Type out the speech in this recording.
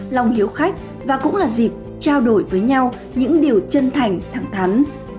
lòng hiếu khách và cũng là dịp trao đổi với nhau những điều chân thành thẳng thắn